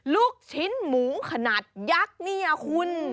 ลูกชิ้นหมูขนาดยักษ์เนี่ยคุณ